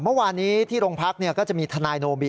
เมื่อวานนี้ที่โรงพักก็จะมีทนายโนบี